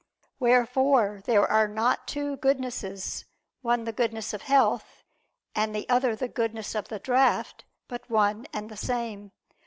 Wherefore there are not two goodnesses, one the goodness of health, and the other the goodness of the draught; but one and the same.